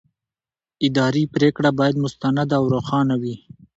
اداري پرېکړه باید مستنده او روښانه وي.